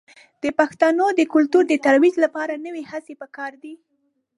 د پښتو د کلتور د ترویج لپاره نوې هڅې په کار دي.